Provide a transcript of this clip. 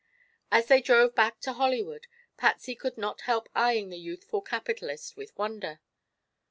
As they drove back to Hollywood, Patsy could not help eyeing this youthful capitalist with wonder.